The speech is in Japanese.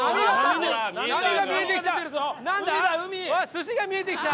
「鮨」が見えてきた！